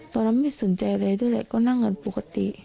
ตอนนั้นไม่สนใจอะไรด้วยแหละก็นั่งกันปกติ